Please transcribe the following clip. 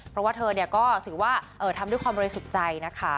เพราะว่าเธอก็ถือว่าทำด้วยความบริสุทธิ์ใจนะคะ